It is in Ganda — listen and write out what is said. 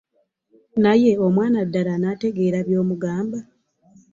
Naye omwana ddala anategeera by'omugamba?